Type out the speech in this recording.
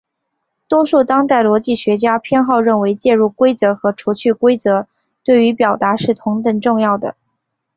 多数当代逻辑学家偏好认为介入规则和除去规则对于表达是同等重要的。